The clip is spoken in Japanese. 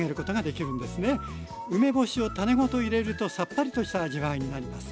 梅干しを種ごと入れるとさっぱりとした味わいになります。